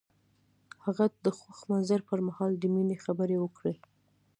هغه د خوښ منظر پر مهال د مینې خبرې وکړې.